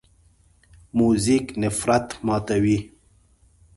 موزیک نفرت ماتوي.